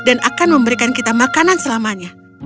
dan akan memberikan kita makanan selamanya